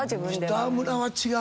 北村は違うな。